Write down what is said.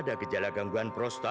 ada gejala gangguan prostat